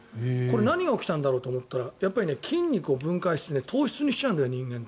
何が起こっているんだろうと思ったらやっぱり筋肉を分解して糖質にしちゃうんだよ。